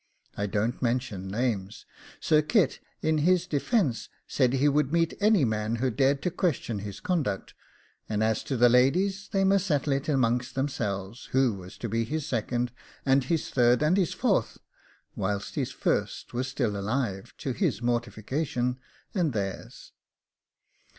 I don't mention names. Sir Kit, in his defence, said he would meet any man who dared to question his conduct; and as to the ladies, they must settle it amongst them who was to be his second, and his third, and his fourth, whilst his first was still alive, to his mortification and theirs.